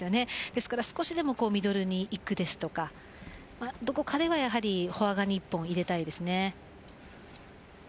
ですから、少しでもミドルにいくですとかどこかでフォア側に１本入れたいです。